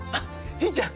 ヒーちゃん